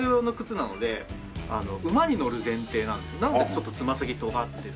なのでちょっとつま先とがってる。